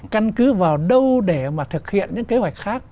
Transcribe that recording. căn cứ vào đâu để mà thực hiện những kế hoạch khác